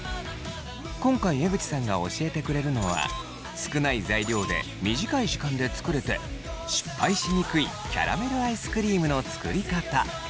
今回江口さんが教えてくれるのは少ない材料で短い時間で作れて失敗しにくいキャラメルアイスクリームの作り方。